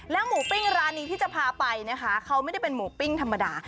หมูปิ้งร้านนี้ที่จะพาไปนะคะเขาไม่ได้เป็นหมูปิ้งธรรมดา